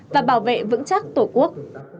và bảo vệ vững chắc tổ quốc